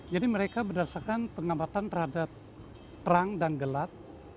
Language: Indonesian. jadi mereka berdasarkan pengamatan terhadap terang dan gelap